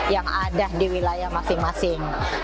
yang ada di wilayah masing masing